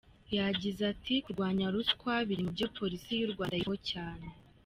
Yagize ati "Kurwanya ruswa biri mu byo Polisi y’u Rwanda yitaho cyane.